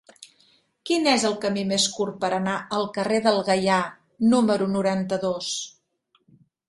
Quin és el camí més curt per anar al carrer del Gaià número noranta-dos?